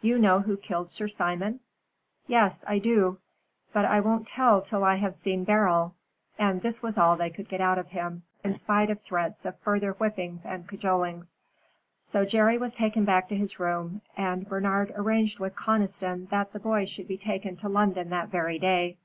"You know who killed Sir Simon?" "Yes, I do. But I won't tell till I have seen Beryl," and this was all they could get out of him, in spite of threats of further whippings and cajolings. So Jerry was taken back to his room, and Bernard arranged with Conniston that the boy should be taken to London that very day.